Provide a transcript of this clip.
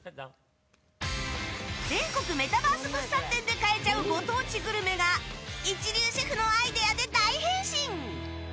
「全国メタバース物産展」で買えちゃうご当地グルメが一流シェフのアイデアで大変身。